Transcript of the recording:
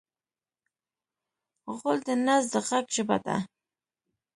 غول د نس د غږ ژبه ده.